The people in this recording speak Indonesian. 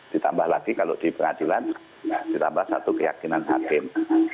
ditambah lagi kalau di pengadilan ditambah satu keyakinan hakim